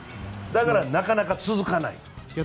だから、なかなか続かない。